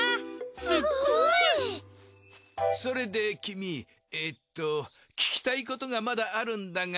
すごい！それで君えっと聞きたいことがまだあるんだが。